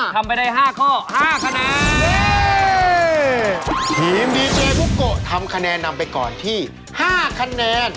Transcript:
ข้ากองไฟใช่ไหมครับครับ